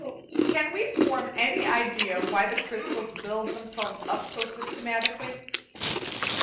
Week 12 Can we form any idea why the crystals build themselves up so systematically?